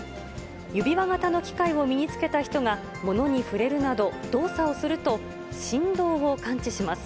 指輪型の機械を身につけた人がものに触れるなど、動作をすると、振動を感知します。